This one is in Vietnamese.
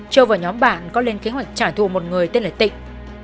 châu và nhóm bạn có lên kế hoạch trả thù một người tên là tịnh